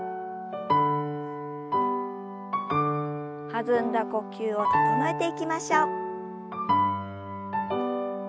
弾んだ呼吸を整えていきましょう。